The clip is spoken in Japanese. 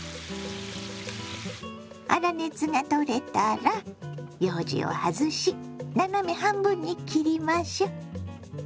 粗熱が取れたらようじを外し斜め半分に切りましょ。